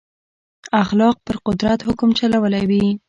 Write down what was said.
اخلاق پر قدرت حکم چلولی وي.